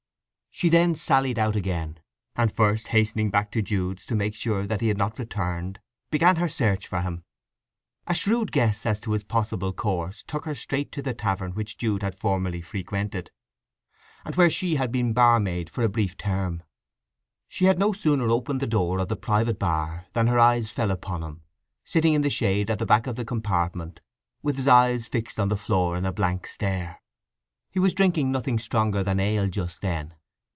She then sallied out again, and first hastening back to Jude's to make sure that he had not returned, began her search for him. A shrewd guess as to his probable course took her straight to the tavern which Jude had formerly frequented, and where she had been barmaid for a brief term. She had no sooner opened the door of the "Private Bar" than her eyes fell upon him—sitting in the shade at the back of the compartment, with his eyes fixed on the floor in a blank stare. He was drinking nothing stronger than ale just then.